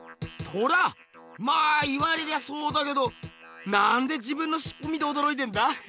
まあ言われりゃそうだけどなんで自分のしっぽ見ておどろいてんだ？